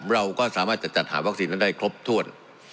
เราก็สามารถจะจัดหาวัคซีนนั้นได้ครบถ้วน